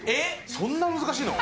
そんな難しいの？